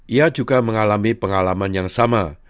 ia juga mengalami pengalaman yang sama